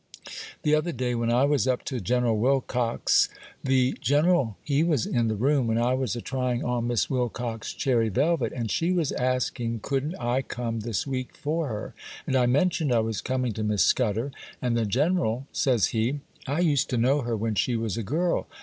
The other day, when I was up to General Wilcox's, the General he was in the room when I was a trying on Miss Wilcox's cherry velvet, and she was asking couldn't I come this week for her, and I mentioned I was coming to Miss Scudder; and the General, says he,—"I used to know her when she was a girl.